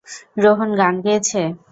রোহন গান গেয়েছে?